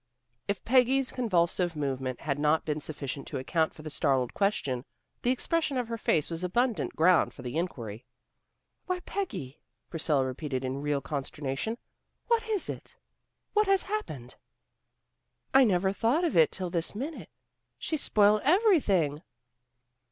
If Peggy's convulsive movement had not been sufficient to account for the startled question, the expression of her face was abundant ground for the inquiry. "Why, Peggy," Priscilla repeated in real consternation, "what is it? What has happened?" "I never thought of it till this minute. She's spoiled everything."